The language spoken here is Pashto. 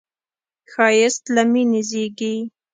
ښایست له مینې زېږي